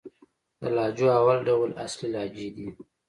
د لهجو اول ډول اصلي لهجې دئ.